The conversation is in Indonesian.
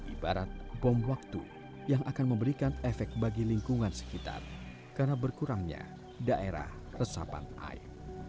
ibarat bom waktu yang akan memberikan efek bagi lingkungan sekitar karena berkurangnya daerah resapan air